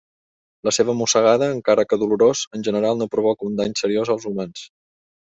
La seva mossegada, encara que dolorós, en general no provoca un dany seriós als humans.